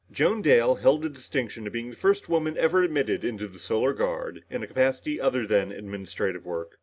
Joan Dale held the distinction of being the first woman ever admitted into the Solar Guard, in a capacity other than administrative work.